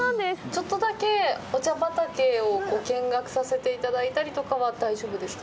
ちょっとだけ、お茶畑を見学させていただいたりとかは大丈夫ですか。